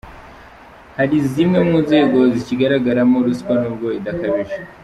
Hari zimwe mu nzego zikigaragaramo ruswa nubwo idakabije.